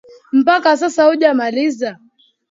Mpaka sasa hujamaliza